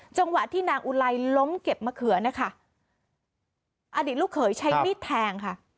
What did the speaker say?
จังหวะที่นางอุไลล้มเก็บมะเขือนะคะอดีตลูกเขยใช้มีดแทงค่ะ